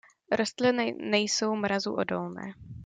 Rostliny nejsou mrazu odolné.